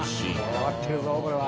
こだわってるぞこれは。